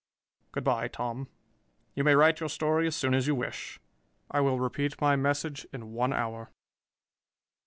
Good by, Tom. You may write your story as soon as you wish. I will repeat my message in one hour.